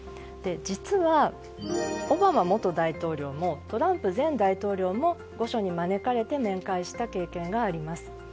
実はオバマ元大統領もトランプ前大統領も御所に招かれて面会した経験があります。